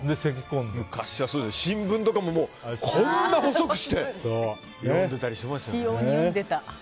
昔はね、新聞とかもこんなに細くして読んでましたよね。